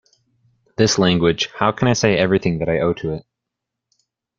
This language, how can I say everything that I owe to it?